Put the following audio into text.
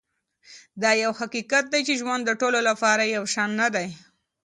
دا یو حقیقت دی چې ژوند د ټولو لپاره یو شان نه دی.